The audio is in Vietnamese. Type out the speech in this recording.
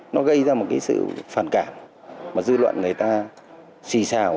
nó gây ra một sự phản cản mà dư luận người ta xì xào